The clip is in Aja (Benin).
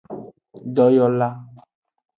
Doyola.